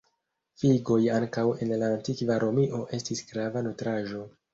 Figoj ankaŭ en la antikva Romio estis grava nutraĵo.